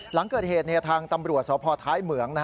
หลังเกิดเหตุทางตำรวจสพท้ายเหมือง